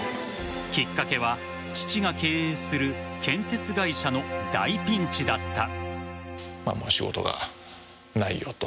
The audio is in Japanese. きっかけは、父が経営する建設会社の大ピンチだった。